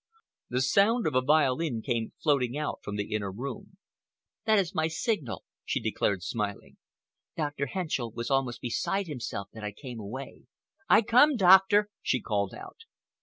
The sound of a violin came floating out from the inner room. "That is my signal," she declared smiling. "Dr. Henschell was almost beside himself that I came away. I come, Doctor," she called out.